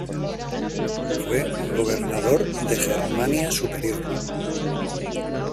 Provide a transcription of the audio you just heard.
Fue gobernador de Germania Superior.